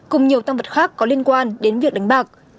cùng nhiều tăng vật khác có liên quan đến việc đánh bạc